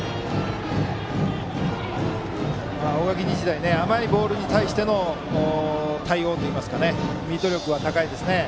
大垣日大、甘いボールに対しての対応といいますかミート力は高いですね。